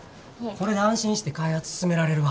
これで安心して開発進められるわ。